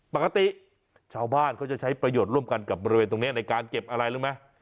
ปกติชาวบ้านเขาจะใช้ประโยชน์ร่วมกันกับบริเวณตรงนี้ในการเก็บอะไรรู้ไหม